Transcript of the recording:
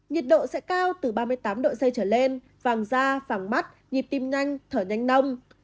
nhiệt độ sẽ cao từ ba mươi tám độ c trở lên vàng da vàng mắt nhịp tim nhanh thở nhanh nông